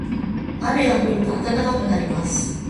雨が降ると暖かくなります。